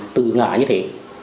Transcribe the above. từ ngã như thế